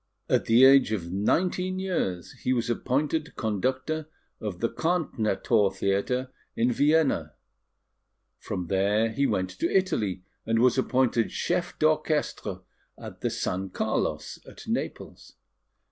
At the age of nineteen years, he was appointed conductor of the Karnthnerthor Theatre in Vienna. From there he went to Italy, and was appointed Chef d'Orchestre at the San Carlos at Naples.